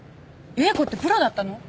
英子ってプロだったの？